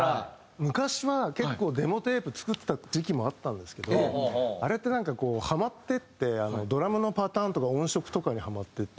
昔は結構デモテープ作ってた時期もあったんですけどあれってなんかこうハマっていってドラムのパターンとか音色とかにハマっていって。